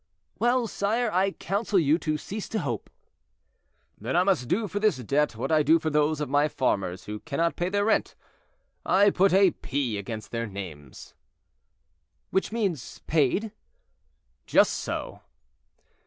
"Well, sire, I counsel you to cease to hope." "Then I must do for this debt what I do for those of my farmers who cannot pay their rent; I put a P against their names." "Which means paid." "Just so."